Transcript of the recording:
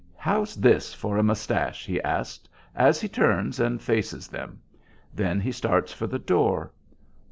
How's this for a moustache?" he asks, as he turns and faces them. Then he starts for the door.